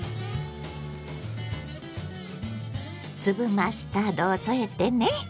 粒マスタードを添えてね。